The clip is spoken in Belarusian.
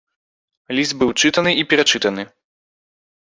Ліст быў чытаны і перачытаны.